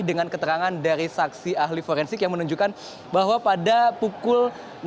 dengan keterangan dari saksi ahli forensik yang menunjukkan bahwa pada pukul tujuh belas delapan belas